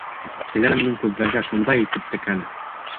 Килә лә минең күҙҙәргә шундай итеп текәлә!